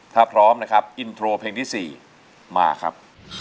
ถ้าพร้อมนะครับอินโทรเพลงที่๔มาครับ